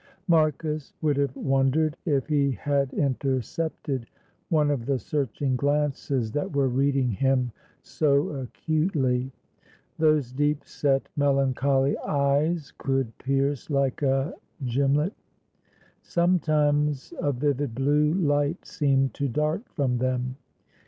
Marcus would have wondered if he had intercepted one of the searching glances that were reading him so acutely; those deep set, melancholy eyes could pierce like a gimlet; sometimes a vivid blue light seemed to dart from them.